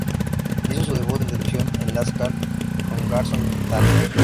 Hizo su debut en televisión en "Last Call con Carson Daly".